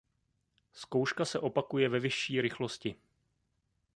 Zkouška se opakuje ve vyšší rychlosti.